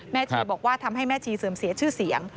ชีบอกว่าทำให้แม่ชีเสื่อมเสียชื่อเสียง